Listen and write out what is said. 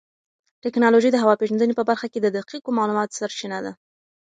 ټیکنالوژي د هوا پېژندنې په برخه کې د دقیقو معلوماتو سرچینه ده.